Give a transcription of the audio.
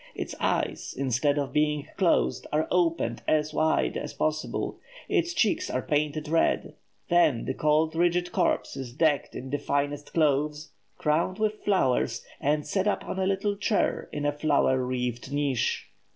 Its eyes, instead of being closed, are opened as wide as possible; its cheeks are painted red; then the cold rigid corpse is decked in the finest clothes, crowned with flowers, and set up on a little chair in a flower wreathed niche.